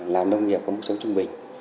làm nông nghiệp có mức số trung bình